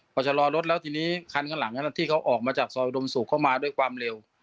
พอชะลอรถแล้วทีนี้คันข้างหลังนั้นที่เขาออกมาจากซอยอุดมศุกร์เข้ามาด้วยความเร็ว